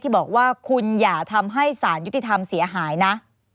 บอกว่าคุณอย่าทำให้สารยุติธรรมเสียหายนะ